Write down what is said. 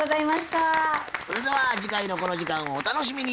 それでは次回のこの時間をお楽しみに。